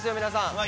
皆さん。